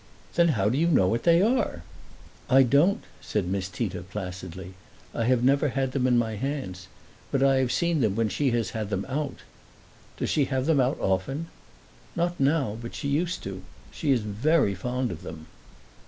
Then how do you know what they are?" "I don't," said Miss Tita placidly. "I have never had them in my hands. But I have seen them when she has had them out." "Does she have them out often?" "Not now, but she used to. She is very fond of them."